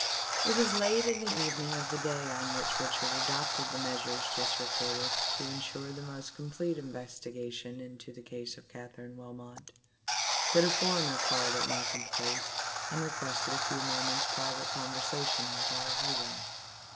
It was late in the evening of the day on which Richard adopted the measures just recorded to ensure the most complete investigation into the case of Katherine Wilmot, that a foreigner called at Markham Place and requested a few moments' private conversation with our hero.